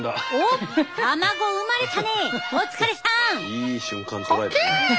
いい瞬間捉えたね。